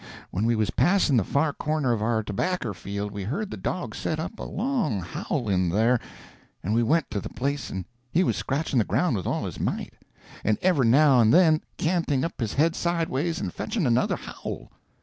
When we was passing the far corner of our tobacker field we heard the dog set up a long howl in there, and we went to the place and he was scratching the ground with all his might, and every now and then canting up his head sideways and fetching another howl. [Illustration: Fetching another howl.